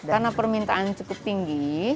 karena permintaan cukup tinggi